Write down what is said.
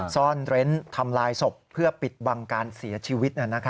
ซ่อนเร้นทำลายศพเพื่อปิดบังการเสียชีวิต